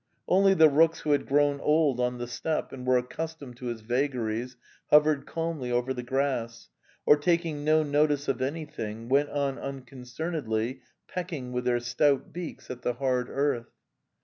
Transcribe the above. Only the rooks who had grown old on the steppe and were accustomed to its vagaries hovered calmly over the grass, or taking no notice of anything, went on un concernedly pecking with their stout beaks at the hard earth.